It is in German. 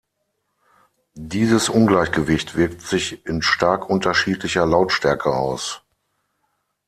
Dieses Ungleichgewicht wirkt sich in stark unterschiedlicher Lautstärke aus.